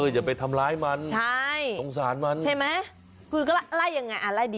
อย่าไปทำลายมัน